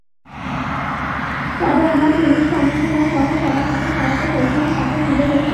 তবে আমরা পুলিশ কমিশনারসহ সবার কাছে সহায়তা চেয়েছি তাঁকে খুঁজে বের করতে।